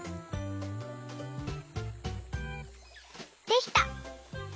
できた！